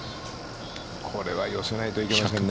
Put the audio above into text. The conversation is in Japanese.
これは寄せないといけません。